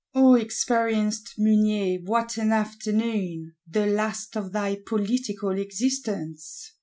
O experienced Mounier, what an afternoon; the last of thy political existence!